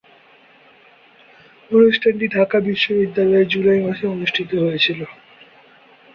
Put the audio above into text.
অনুষ্ঠানটি ঢাকা বিশ্ববিদ্যালয়ে জুলাই মাসে অনুষ্ঠিত হয়েছিলো।